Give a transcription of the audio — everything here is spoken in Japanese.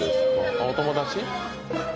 あっお友達？